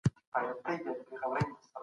هغه د خلګو ستونزي په غور سره اورېدلي.